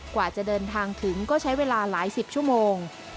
กว่าจะเดินทางถึงก็ใช้เวลาหลายสิบชั่วโมง